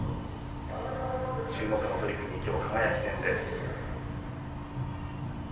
注目の取組はきょう輝戦。